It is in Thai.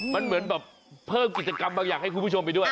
มันเหมือนแบบเพิ่มกิจกรรมบางอย่างให้คุณผู้ชมไปด้วย